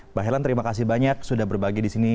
mbak ellen terima kasih banyak sudah berbagi disini